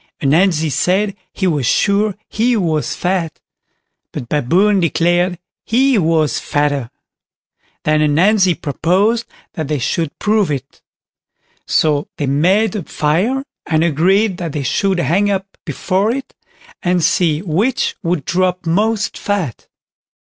Ananzi said he was sure he was fat, but Baboon declared he was fatter. Then Ananzi proposed that they should prove it; so they made a fire, and agreed that they should hang up before it, and see which would drop most fat.